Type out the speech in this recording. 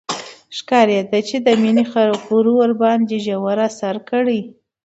ښکارېده چې د مينې خبرو ورباندې ژور اثر کړی.